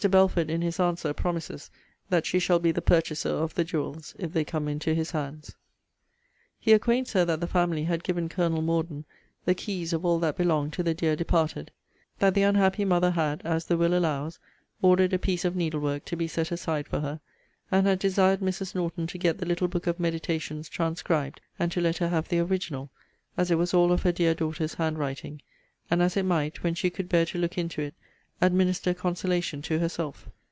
Belford, in his answer, promises that she shall be the purchaser of the jewels, if they come into his hands. He acquaints her that the family had given Colonel Morden the keys of all that belonged to the dear departed; that the unhappy mother had (as the will allows) ordered a piece of needlework to be set aside for her, and had desired Mrs. Norton to get the little book of meditations transcribed, and to let her have the original, as it was all of her dear daughter's hand writing; and as it might, when she could bear to look into it, administer consolation to herself.